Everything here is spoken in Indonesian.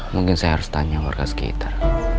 mungkin saya harus tanya warga sekitar